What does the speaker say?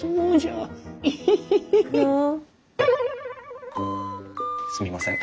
あっすみません。